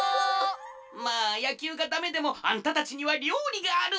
まあやきゅうがダメでもあんたたちにはりょうりがある！